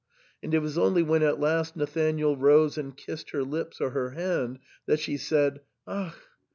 And it was only when at last Nathanael rose and kissed her lips or her hand that she said, "Ach!